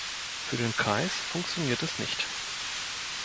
Für den Kreis funktioniert es nicht.